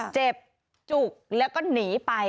เจ็บจุกแล้วก็หนีไป